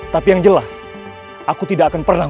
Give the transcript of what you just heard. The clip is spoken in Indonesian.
tapi yang jelas aku tidak akan pernah